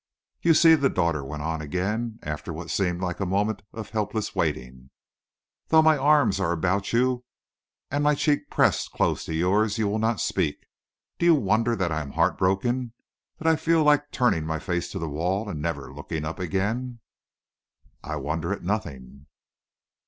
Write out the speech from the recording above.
"You see!" the daughter went on again, after what seemed like a moment of helpless waiting. "Though my arms are about you, and my cheek pressed close to yours, you will not speak. Do you wonder that I am heart broken that I feel like turning my face to the wall and never looking up again?" "I wonder at nothing."